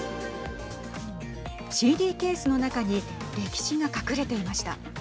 ＣＤケースの中に歴史が隠れていました。